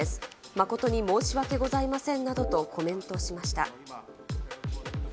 誠に申し訳ございませんなどとコメントしました。